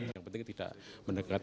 yang penting tidak mendekatkan